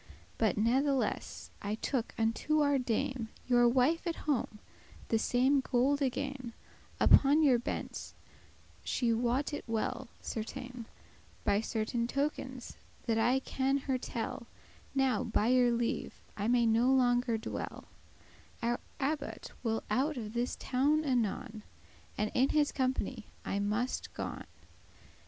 But natheless I took unto our Dame, Your wife at home, the same gold again, Upon your bench; she wot it well, certain, By certain tokens that I can her tell Now, by your leave, I may no longer dwell; Our abbot will out of this town anon, And in his company I muste gon.